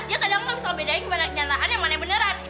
dia kadang gak bisa ngebedain kemana kenyataannya mana beneran